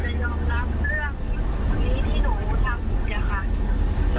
ยังไม่ยอมรับเรื่องนี้ที่หนูทำกูเนี่ยค่ะ